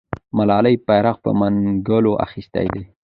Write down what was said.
ملالۍ بیرغ په منګولو اخیستی دی.